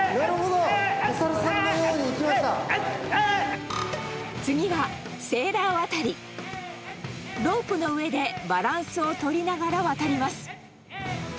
ロープの上でバランスを取りながら渡ります。